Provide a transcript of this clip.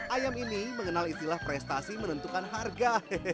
ayam ini mengenal istilah prestasi menentukan harga